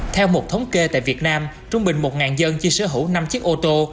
theo một thống kê tại việt nam trung bình một dân chia sở hữu năm chiếc ô tô